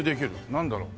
なんだろう？